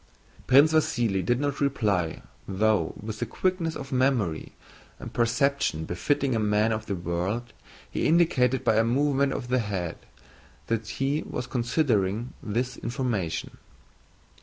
Prince Vasíli did not reply, though, with the quickness of memory and perception befitting a man of the world, he indicated by a movement of the head that he was considering this information.